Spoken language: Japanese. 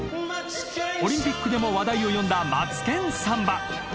オリンピックでも話題を呼んだ『マツケンサンバ』。